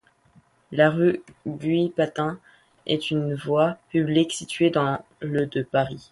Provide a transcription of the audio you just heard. La rue Guy-Patin est une voie publique située dans le de Paris.